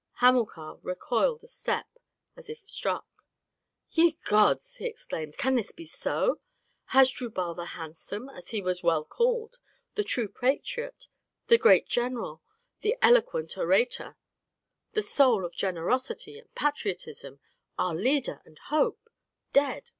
Hamilcar recoiled a step as if struck. "Ye gods!" he exclaimed, "can this be so? Hasdrubal the handsome, as he was well called, the true patriot, the great general, the eloquent orator, the soul of generosity and patriotism, our leader and hope, dead!